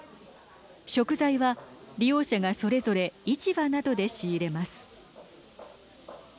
食材は利用者がそれぞれ市場などで仕入れます。